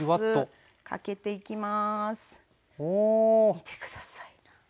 見て下さい。